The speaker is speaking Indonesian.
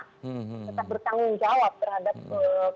tetap bertanggung jawab terhadap